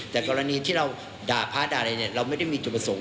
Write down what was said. แต่กรณีที่เราด่าพระด่าอะไรเราไม่ได้มีจุดประสงค์